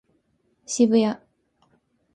渋谷